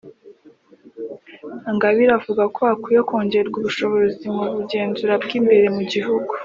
Ingabire avuga ko hakwiye kongerwa ubushobozi mu bugenzuzi bw’imbere mu bigo